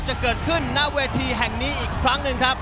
จะเกิดขึ้นหน้าเวทีแห่งนี้อีกครั้งหนึ่งครับ